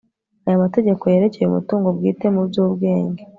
aya mategeko yerekeye umutungo bwite mu by'ubwenge